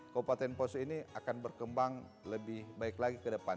kabupaten poso ini akan berkembang lebih baik lagi ke depan